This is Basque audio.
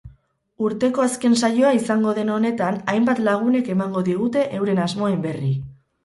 Urteko azken saioa izango den honetan hainbat lagunek emango digute euren asmoen berri.